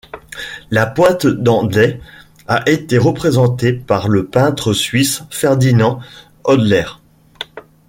La pointe d'Andey a été représentée par le peintre suisse Ferdinand Hodler.